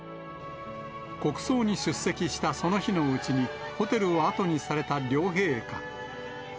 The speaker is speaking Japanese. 国葬に出席したその日のうちに、ホテルを後にされた両陛下。